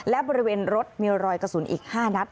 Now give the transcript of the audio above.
และบริเวณรถมีรอยกระสุนอีก๕นัด